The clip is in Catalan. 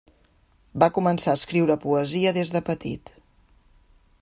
Va començar a escriure poesia des de petit.